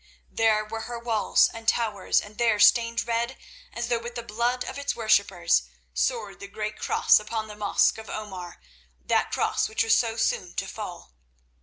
There were her walls and towers, and there, stained red as though with the blood of its worshippers, soared the great cross upon the mosque of Omar—that cross which was so soon to fall.